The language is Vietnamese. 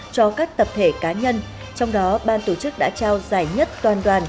cho các tập thể cá nhân trong đó ban tổ chức đã trao giải nhất toàn đoàn